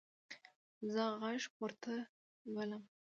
زه غږ پورته لولم.